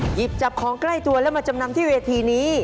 หยิบจับของใกล้ตัวแล้วมาจำนำที่เวทีนี้